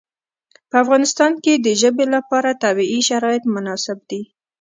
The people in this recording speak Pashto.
په افغانستان کې د ژبې لپاره طبیعي شرایط مناسب دي.